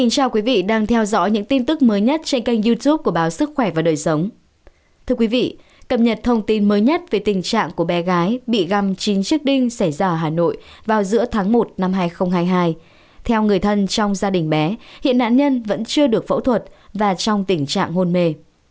các bạn hãy đăng ký kênh để ủng hộ kênh của chúng mình nhé